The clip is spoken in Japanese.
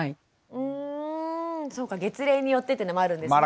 うんそっか月齢によってっていうのもあるんですね。